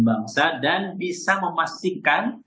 bangsa dan bisa memastikan